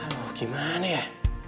aduh gimana ya